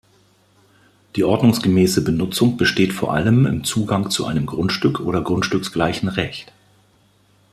Die ordnungsgemäße Benutzung besteht vor allem im Zugang zu einem Grundstück oder grundstücksgleichen Recht.